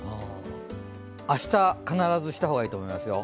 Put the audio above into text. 明日、必ずした方がいいと思いますよ。